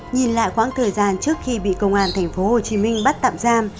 nhìn lại khoảng thời gian trước khi bị công an tp hcm bắt tạm giam